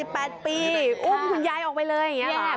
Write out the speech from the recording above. ไว้๘๘ปีอุ้มคุณยายออกไปเลยอย่างนี้หรอ